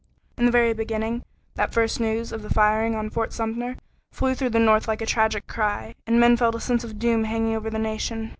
In the very beginning that first news of the firing on Fort Sumter flew through the North like a tragic cry, and men felt a sense of doom hanging over the nation.